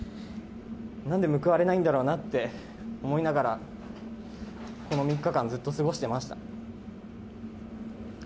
なんで報われないんだろうなって思いながら、この３日間ずっと過ごしてました。